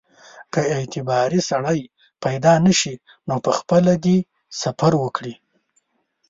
که اعتباري سړی پیدا نه شي نو پخپله دې سفر وکړي.